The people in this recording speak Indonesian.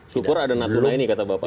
syukur ada natuna ini kata bapak